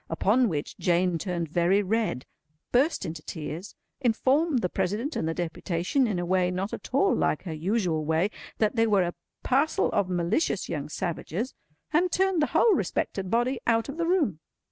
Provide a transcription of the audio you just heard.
Upon which Jane turned very red, burst into tears, informed the President and the deputation, in a way not at all like her usual way, that they were a parcel of malicious young savages, and turned the whole respected body out of the room.